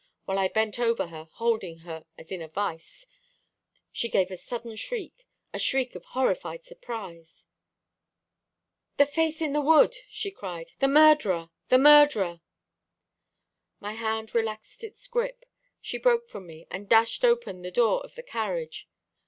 While I bent over her, holding her as in a vice, she gave a sudden shriek, a shriek of horrified surprise. "'The face in the wood,' she cried, 'the murderer! the murderer!' "My hand relaxed its grip; she broke from me, and dashed open the door of the carriage.